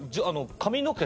髪の毛は。